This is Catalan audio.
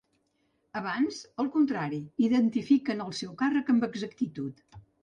Abans, al contrari, identifiquen el seu càrrec amb exactitud.